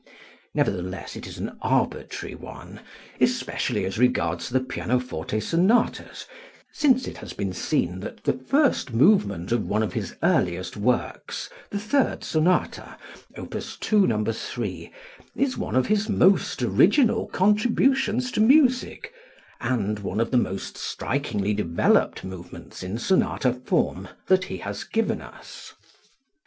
Nevertheless, it is an arbitrary one, especially as regards the pianoforte sonatas, since it has been seen that the first movement of one of his earliest works, the third sonata (Opus 2, No. 3), is one of his most original contributions to music, and one of the most strikingly developed movements in sonata form that he has given us.